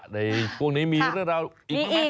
ในช่วงนี้มีเรื่องยังอะไร